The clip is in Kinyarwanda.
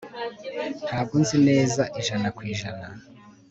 Ntabwo nzi neza ijana ku ijana